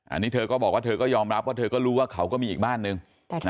อันนี้เธอก็บอกว่าเธอก็ยอมรับว่าเธอก็รู้ว่าเขาก็มีอีกบ้านนึง